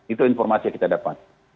itu informasi yang kita dapat